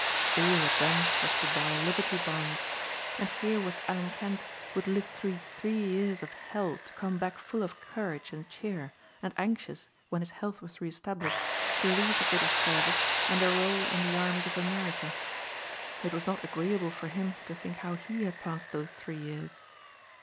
All he had done was to buy Liberty Bonds. And here was Alan Kent, who had lived through three years of hell to come back full of courage and cheer, and anxious, when his health was reestablished, to leave the British Service and enroll in the armies of America. It was not agreeable for him to think how he had passed those three years.